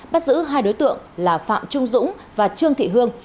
bắt giữ hai đối tượng là phạm trung dũng và trương thị hương